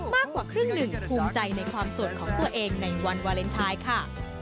มากกว่าครึ่งหนึ่งภูมิใจในความโสดของตัวเองในวันวาเลนไทยค่ะ